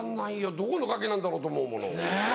どこのガキなんだろうと思うもの。